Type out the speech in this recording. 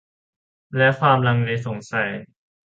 และความลังเลสงสัย